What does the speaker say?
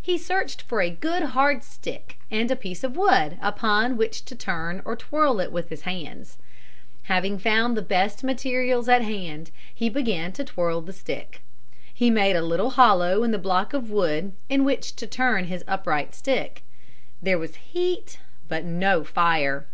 He searched for a good hard stick and a piece of wood upon which to turn or twirl it with his hands. Having found the best materials at hand, he began to twirl the stick. He made a little hollow in the block of wood in which to turn his upright stick. There was heat but no fire.